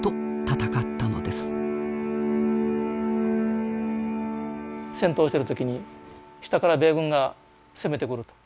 戦闘してる時に下から米軍が攻めてくると。